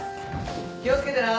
気をつけてな！